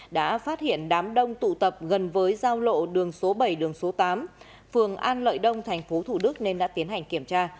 đã phát hiện đám đông tụ tập gần với giao lộ đường số bảy đường số tám phường an lợi đông tp thủ đức nên đã tiến hành kiểm tra